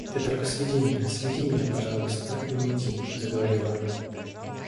Ты только сведи меня, сведи меня, пожалуйста, и уйди, — заговорила она.